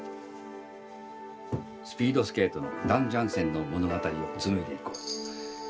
スピードスケートのダンジャンセンの物語を紡いでいこう。